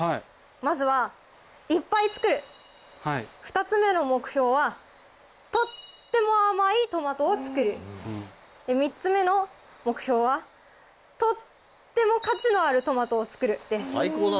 まずはいっぱい作るはい２つ目の目標はとっても甘いトマトを作る３つ目の目標はとっても価値のあるトマトを作るです